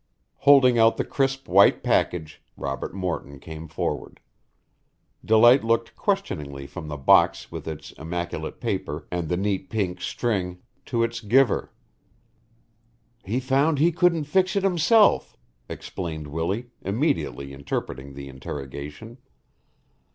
Holding out the crisp white package, Robert Morton came forward. Delight looked questioningly from the box with its immaculate paper and neat pink string to its giver. "He found he couldn't fix it himself," explained Willie, immediately interpreting the interrogation.